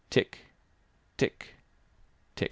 Tic, tic, tic.